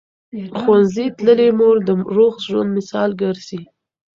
ښوونځې تللې مور د روغ ژوند مثال ګرځي.